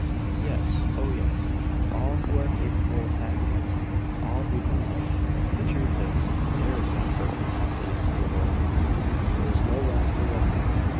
"Yes, oh, yes! all who are capable of happiness: all who can love. The truth is, there is no perfect confidence in the world: there is no rest for one's heart.